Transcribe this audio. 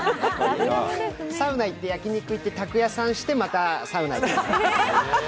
サウナ行って、焼き肉行って、またサウナ行って。